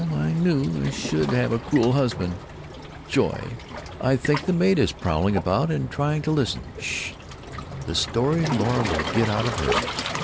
I knew I should have a cruel husband who——Joy! I think the maid is prowling about and trying to listen. 'Shhh! The story Laura will get out of her!"